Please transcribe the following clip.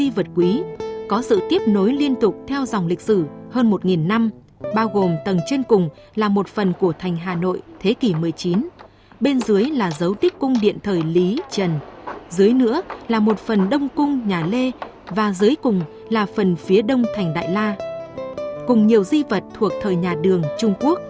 các nhà khảo cổ đã tìm thấy nhiều di vật quý có sự tiếp nối liên tục theo dòng lịch sử hơn một năm bao gồm tầng trên cùng là một phần của thành hà nội thế kỷ một mươi chín bên dưới là dấu tích cung điện thời lý trần dưới nữa là một phần đông cung nhà lê và dưới cùng là phần phía đông thành đại la cùng nhiều di vật thuộc thời nhà đường trung quốc